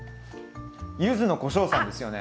柚子のこしょうさんですよね？